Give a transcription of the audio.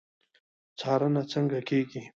څارنه څنګه کیږي؟